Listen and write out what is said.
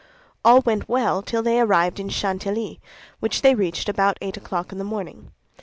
All went well till they arrived at Chantilly, which they reached about eight o'clock in the morning.